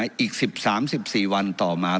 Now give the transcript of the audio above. อีก๑๓๑๔วันต่อมา